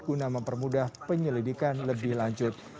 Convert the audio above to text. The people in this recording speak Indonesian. guna mempermudah penyelidikan lebih lanjut